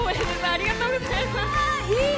ありがとうございます。